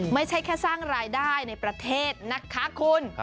ไม่ใช่แค่สร้างรายได้ในประเทศนะคะคุณ